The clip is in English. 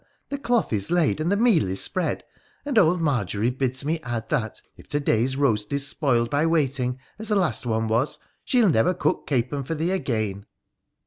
the cloth is laid, and the meal is spread, and old Margery bids me add that, if to day's roast is spoiled by wait ing, as the last one was, she'll never cook capon for thee again